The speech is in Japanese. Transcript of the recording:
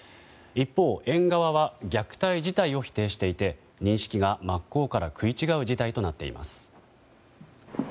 一方、園側は虐待自体を否定していて認識が真っ向から食い違う事態となっています。